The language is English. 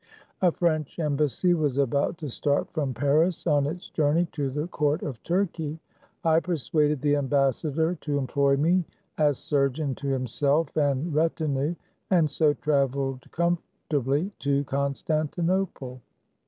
A French embassy was about to start from Paris, on its journey to the court of Turkey. I persuaded the ambassador to employ me as sur geon to himself and retinue, and so traveled comfortably to Constantinople.